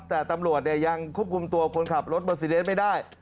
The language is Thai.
แต่ตำรวจยังควบคุมตัวคนขับรถเบอร์ซีเดสไม่ได้